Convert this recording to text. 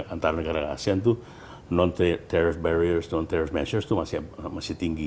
antara negara asean itu non teris barriers non teroris measures itu masih tinggi